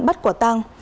bắt quả tang